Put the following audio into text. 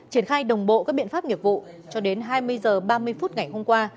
triển khai đồng bộ các biện pháp nghiệp vụ cho đến hai mươi h ba mươi phút ngày hôm qua